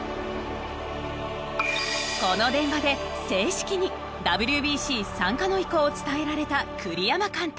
この電話で正式にＷＢＣ参加の意向を伝えられた栗山監督。